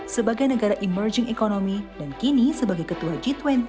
sebagai negara emerging economy dan kini sebagai ketua g dua puluh